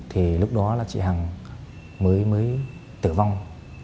thì lúc đó là chị hằng mới tử vong